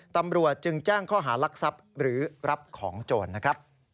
ตำรวจจึงแจ้งข้อหารักทรัพย์หรือรับของโจรนะครับ